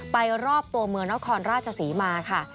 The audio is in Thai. รอบตัวเมืองนครราชศรีมาค่ะ